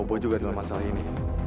kebobo juga dalam masalah ini